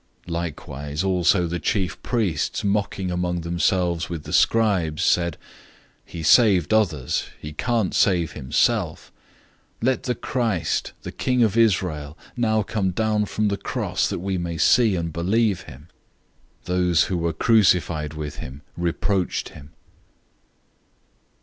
015:031 Likewise, also the chief priests mocking among themselves with the scribes said, "He saved others. He can't save himself. 015:032 Let the Christ, the King of Israel, now come down from the cross, that we may see and believe him.{TR omits "him"}" Those who were crucified with him insulted him.